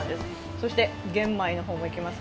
そして玄米の方もいきます。